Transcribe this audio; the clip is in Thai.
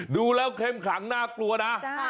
ดูแล้วเข้มขังน่ากลัวนะ